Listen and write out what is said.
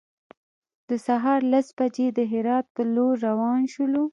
د سهار لس بجې د هرات په لور روان شولو.